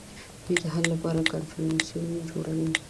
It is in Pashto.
دوی د حل لپاره کنفرانسونه جوړوي